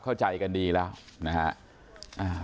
เข้าใจกันดีแล้วนะฮะ